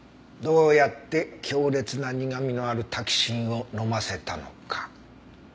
どうやって強烈な苦味のあるタキシンを飲ませたのか？